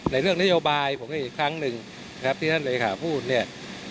ในเรื่องนโยบายผมได้เห็นครั้งหนึ่งครับที่ท่านเลยค่ะพูดเนี่ย